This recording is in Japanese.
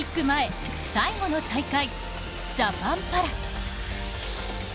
前最後の大会、ジャパンパラ。